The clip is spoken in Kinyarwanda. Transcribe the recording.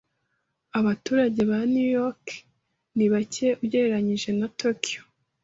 Abaturage ba New York ni bake ugereranije na Tokiyo.